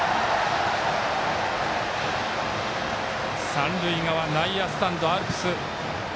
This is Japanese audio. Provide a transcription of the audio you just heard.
三塁側、内野スタンドアルプス